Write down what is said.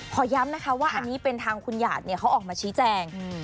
ขอย้ำนะคะว่าอันนี้เป็นทางคุณหยาดเนี่ยเขาออกมาชี้แจง